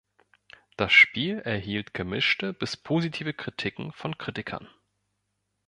Das Spiel erhielt gemischte bis positive Kritiken von Kritikern.